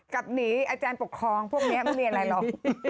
กับหนีอาจารย์ปกครองพวกนี้ไม่มีอะไรหรอก